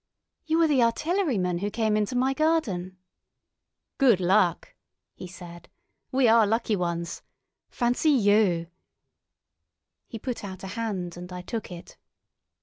"You are the artilleryman who came into my garden." "Good luck!" he said. "We are lucky ones! Fancy you!" He put out a hand, and I took it.